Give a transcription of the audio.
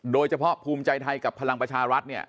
โดยเฉพาะภูมิใจไทยกับพลังประชารัฐเนี่ย